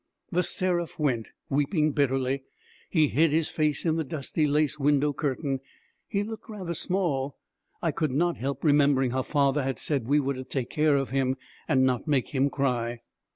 The Seraph went, weeping bitterly. He hid his face in the dusty lace window curtain. He looked very small. I could not help remembering how father had said we were to take care of him and not make him cry.